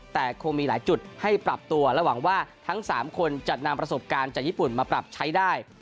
แต่คงมีหลายจุดให้ปรับตัวและหวังว่าทั้ง๓คนจะนำประสบการณ์จากญี่ปุ่นมาปรับใช้ได้